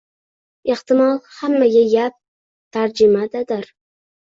Ehtimol, hamma gap tarjimadadir